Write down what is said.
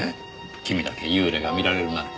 君だけ幽霊が見られるなんて。